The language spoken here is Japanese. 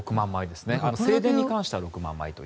正殿に関しては６万枚と。